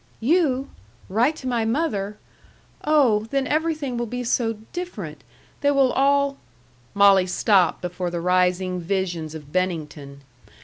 "You! Write to my mother! Oh, then everything will be so different! They will all " Molly stopped before the rising visions of Bennington.